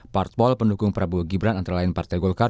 parpol pendukung prabowo gibran antara lain partai golkar